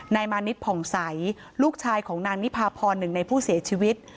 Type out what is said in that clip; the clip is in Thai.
มานิดผ่องใสลูกชายของนางนิพาพรหนึ่งในผู้เสียชีวิต